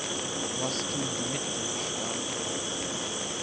Was tun die Mitgliedstaaten?